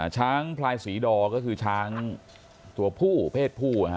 ช้างพลายศรีดอก็คือช้างตัวผู้เพศผู้